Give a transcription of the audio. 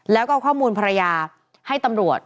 แล้วก็เอาข้อมูลภรรยาให้ตำรวจ